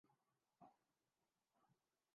میں بھی بے روزگار ہوں مجھے بھی کچھ ایسا کام ڈھونڈ دیں